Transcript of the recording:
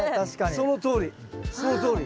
そのとおりそのとおり。